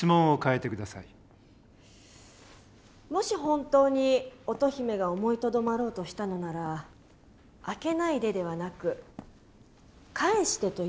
もし本当に乙姫が思いとどまろうとしたのなら「開けないで」ではなく「返して」と言うのが自然でしょう。